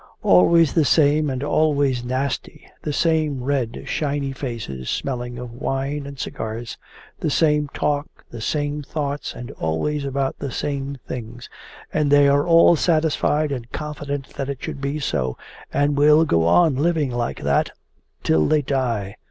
'Always the same and always nasty! The same red shiny faces smelling of wine and cigars! The same talk, the same thoughts, and always about the same things! And they are all satisfied and confident that it should be so, and will go on living like that till they die.